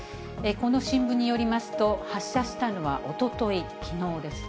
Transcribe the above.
この新聞によりますと、発射したのはおととい、きのうです。